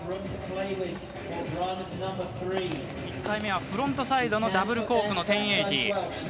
１回目はフロントサイドのダブルコークの１０８０。